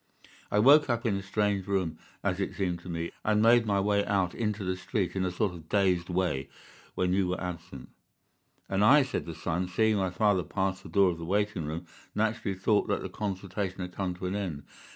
I woke up in a strange room, as it seemed to me, and made my way out into the street in a sort of dazed way when you were absent.' "'And I,' said the son, 'seeing my father pass the door of the waiting room, naturally thought that the consultation had come to an end.